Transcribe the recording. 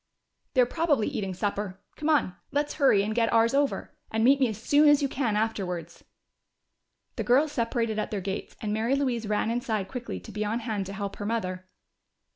"They're probably eating supper. Come on, let's hurry and get ours over. And meet me as soon as you can afterwards." The girls separated at their gates, and Mary Louise ran inside quickly to be on hand to help her mother.